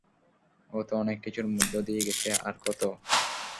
ও তো অনেক কিছুর মধ্যে দিয়ে গেছে, আর কত?